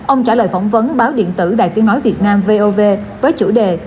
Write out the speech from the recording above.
ông trả lời phỏng vấn báo điện tử đài tiếng nói việt nam vov với chủ đề